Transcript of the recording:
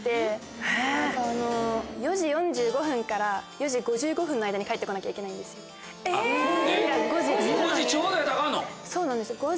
４時４５分から４時５５分の間に帰って来なきゃいけないんですよ。